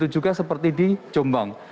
juga seperti di jombang